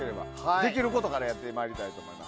できることからやってまいりたいと思います。